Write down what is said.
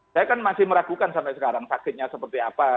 saya kan masih meragukan sampai sekarang sakitnya seperti apa